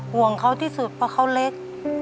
ห่วงเขาที่สุดเพราะเขาเล็ก